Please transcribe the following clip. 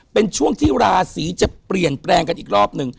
เป็นช่วงที่ราศีจะเปลี่ยนแปลงกันอีกรอบหนึ่ง